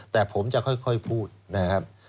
แต่ผมจะค่อยพูดนะครับ